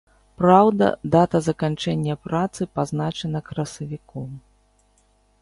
Праўда, дата заканчэння працы пазначана красавіком.